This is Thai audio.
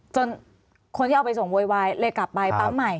จนคนที่เอาไปส่งโวยวายเลยกลับไปปั๊มใหม่